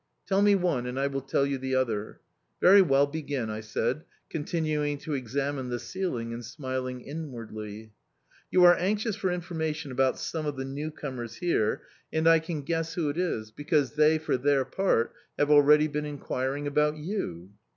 "Tell me one, and I will tell you the other." "Very well, begin!" I said, continuing to examine the ceiling and smiling inwardly. "You are anxious for information about some of the new comers here, and I can guess who it is, because they, for their part, have already been inquiring about you."